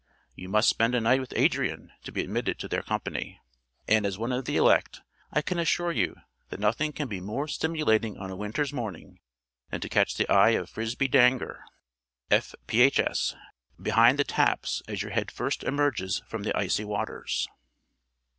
You must spend a night with Adrian to be admitted to their company; and as one of the elect, I can assure you that nothing can be more stimulating on a winter's morning than to catch the eye of Frisby Dranger, F.Ph.S., behind the taps as your head first emerges from the icy waters.